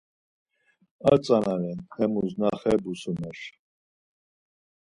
Ar tzana ren, hemus na xe busumer.